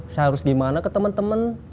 saya harus dimana ke temen temen